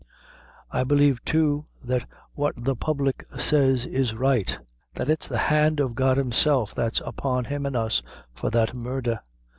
I believe too that what the public says is right: that it's the hand of God Himself that's upon him an' us for that murdher."